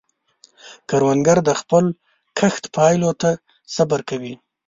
کروندګر د خپل کښت پایلو ته صبر کوي